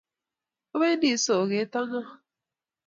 Opendi soget ak ng'o?